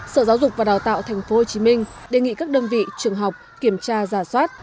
sở giáo dục và đào tạo thành phố hồ chí minh đề nghị các đơn vị trường học kiểm tra giả soát